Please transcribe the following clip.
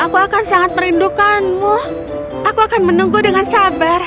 aku akan sangat merindukanmu aku akan menunggu dengan sabar